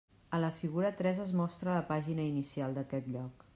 A la figura tres es mostra la pàgina inicial d'aquest lloc.